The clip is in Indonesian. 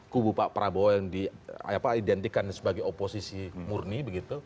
kubu pak prabowo yang diidentikan sebagai oposisi murni begitu